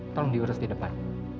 tolong diurus di depan